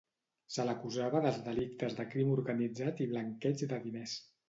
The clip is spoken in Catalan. Se l'acusava dels delictes de crim organitzat i blanqueig de diners.